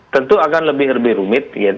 tentu akan lebih rumit